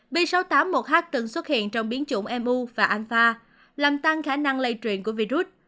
b sáu tám một h từng xuất hiện trong biến chủng mu và alpha làm tăng khả năng lây truyền của virus